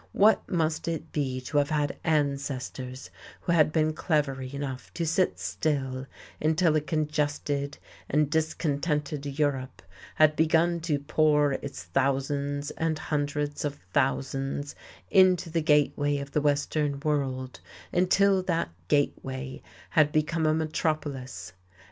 What must it be to have had ancestors who had been clever enough to sit still until a congested and discontented Europe had begun to pour its thousands and hundreds of thousands into the gateway of the western world, until that gateway had become a metropolis?